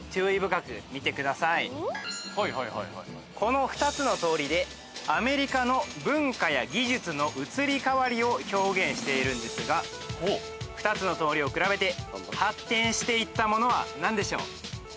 この２つの通りでアメリカの文化や技術の移り変わりを表現しているんですが２つの通りを比べて発展していったものは何でしょう？